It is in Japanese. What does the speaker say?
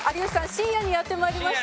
深夜にやって参りました。